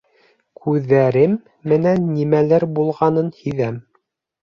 Күҙәрем менән нимәлер булғанын һиҙәм